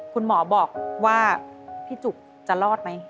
คุณหมอบอกว่าพี่จุกจะรอดไหม